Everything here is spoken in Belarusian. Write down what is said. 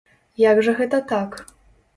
Як жа гэта так?